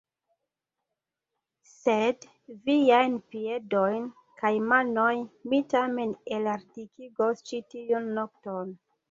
Sed viajn piedojn kaj manojn mi tamen elartikigos ĉi tiun nokton!